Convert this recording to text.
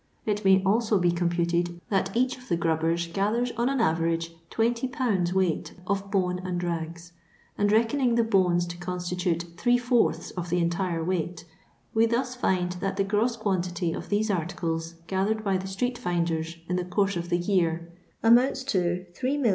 It may also be computed ftt each of the grubben sathers on an aTerage 20 lbs. weight of bone and ngs ; and reckoning the bones to constitute three fourths of the entire weight, we thus find that the gross quantity of these articles gathered by the stree^finders in the course of the year, amounts to 3,744,000 lbs.